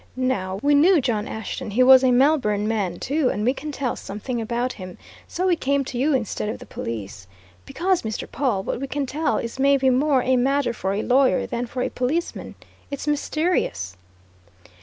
Now, we knew John Ashton he was a Melbourne man, too and we can tell something about him. So we came to you instead of the police. Because, Mr. Pawle, what we can tell is maybe more a matter for a lawyer than for a policeman. It's mysterious."